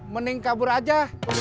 mending kabur aja